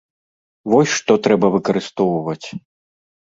Вось, што трэба выкарыстоўваць!